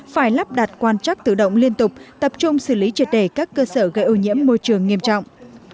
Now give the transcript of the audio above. phải lắp đặt quan trắc tự động liên tục tập trung xử lý triệt đề các cơ sở gây ô nhiễm môi trường nghiêm trọng